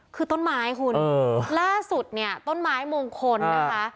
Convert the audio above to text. คือต้นไม้คุณล่าสุดเนี่ยต้นไม้มงคลนะคะ